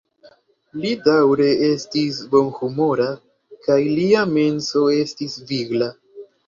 Li daŭre estis bonhumora kaj lia menso estis vigla.